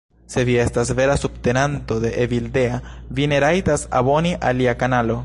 Se vi estas vera subtenanto de Evildea, vi ne rajtas aboni al lia kanalo